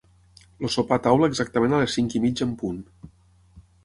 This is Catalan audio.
El sopar a taula exactament a les cinc i mitja en punt.